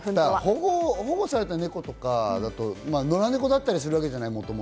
保護されたネコとか、野良ネコだったりするわけじゃない。